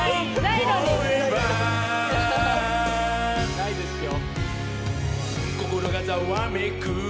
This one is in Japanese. ないですよ。